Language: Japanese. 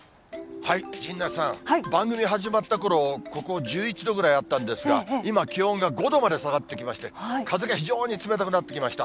陣内さん、番組始まったころ、ここ、１１度ぐらいあったんですが、今、気温が５度まで下がってきまして、風が非常に冷たくなってきました。